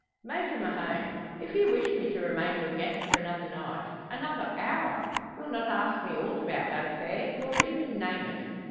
"Major Mahon! If you wish me to remain your guest for another night another hour you'll not ask me aught about that affair nor even name it.